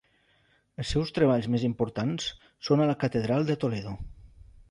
Els seus treballs més importants són a la catedral de Toledo.